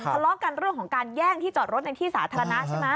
ทะเลาะกันเรื่องของการแย่งที่จอดรถในที่สาธารณะใช่ไหม